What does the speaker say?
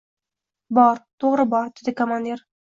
— Bor, to‘g‘ri, bor, — dedi komandir.